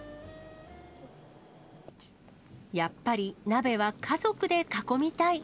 やっぱり鍋は家族で囲みたい。